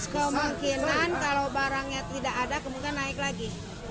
kemungkinan kalau barangnya tidak ada kemungkinan naik lagi